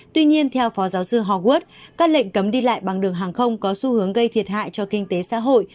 tuy nhiên theo phó giáo sư harword các lệnh cấm đi lại bằng đường hàng không có xu hướng gây thiệt hại cho kinh tế xã hội